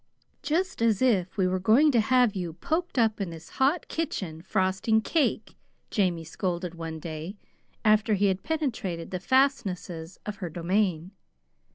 "Just as if we were going to have you poked up in this hot kitchen frosting cake!" Jamie scolded one day, after he had penetrated the fastnesses of her domain.